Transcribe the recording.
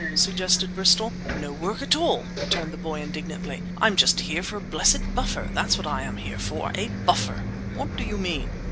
suggested Bristol. "No work at all!" returned the boy indignantly. "I'm just here for a blessed buffer, that's what I'm here for, a buffer!" "What do you mean?"